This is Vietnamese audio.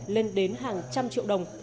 lên đến hàng trăm triệu đồng